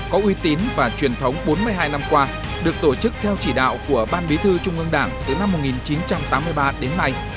có uy tín và truyền thống bốn mươi hai năm qua được tổ chức theo chỉ đạo của ban bí thư trung ương đảng từ năm một nghìn chín trăm tám mươi ba đến nay